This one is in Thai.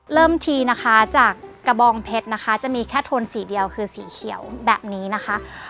ทีนะคะจากกระบองเพชรนะคะจะมีแค่โทนสีเดียวคือสีเขียวแบบนี้นะคะ